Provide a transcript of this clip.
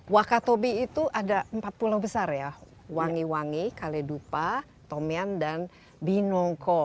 wakatobi itu ada empat pulau besar ya wangi wangi kaledupa tomian dan binongko